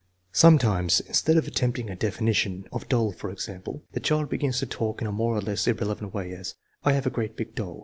Sometimes, instead of attempting a definition (of doll, for example), the child begins to talk in a more or less ir relevant way, as, " I have a great big doll.